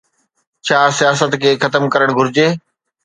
ڇا سياست کي ختم ڪرڻ گهرجي؟